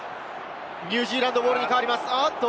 ニュージーランドボールに変わります。